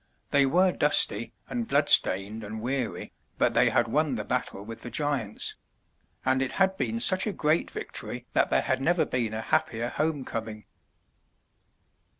They were dusty and bloodstained and weary, but they had won the battle with the giants; and it had been such a great victory that there had never been a happier home coming.